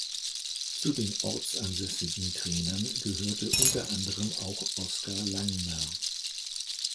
Zu den ortsansässigen Trainern gehörte unter anderem auch Oskar Langner.